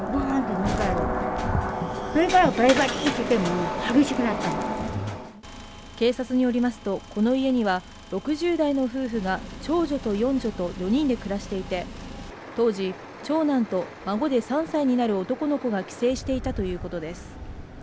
とても激しくなった警察によりますとこの家には６０代の夫婦が長女と四女と４人で暮らしていて当時長男と孫で３歳になる男の子が帰省していたということです